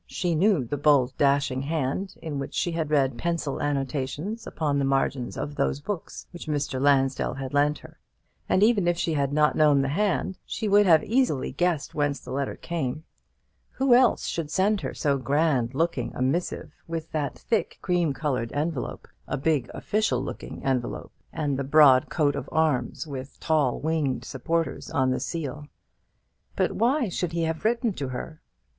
She knew the bold dashing hand, in which she had read pencil annotations upon the margins of those books which Mr. Lansdell had lent her. And even if she had not known the hand, she would have easily guessed whence the letter came. Who else should send her so grand looking a missive, with that thick cream coloured envelope (a big official looking envelope), and the broad coat of arms with tall winged supporters on the seal? But why should he have written to her?